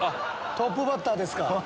トップバッターですか。